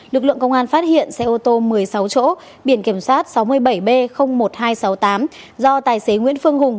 lực lượng công an phát hiện xe ô tô một mươi sáu chỗ biển kiểm soát sáu mươi bảy b một nghìn hai trăm sáu mươi tám do tài xế nguyễn phương hùng